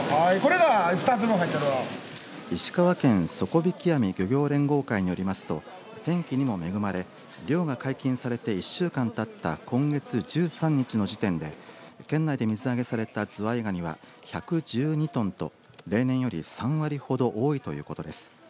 石川県底曳網漁業連合会によりますと天気にも恵まれ漁が解禁されて１週間がたった今月１３日の時点で県内で水揚げされたズワイガニは１１２トンと例年より３割ほど多いということです。